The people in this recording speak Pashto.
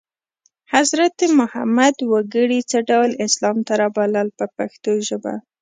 حضرت محمد وګړي څه ډول اسلام ته رابلل په پښتو ژبه.